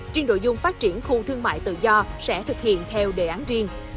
trên đội dung phát triển khu thương mại tự do sẽ thực hiện theo đề án riêng